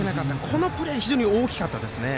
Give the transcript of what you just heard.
このプレーが非常に大きかったですね。